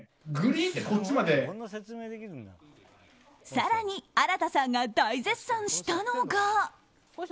更に、ＡＲＡＴＡさんが大絶賛したのが。